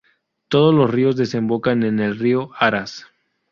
Todos los ríos desembocan en el río Aras.